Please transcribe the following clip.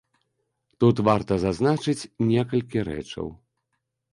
Тут варта зазначыць некалькі рэчаў.